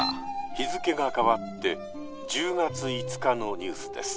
「日付が変わって１０月５日のニュースです」。